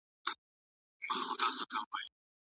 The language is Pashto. باوري اسناد څېړنه پیاوړې کوي.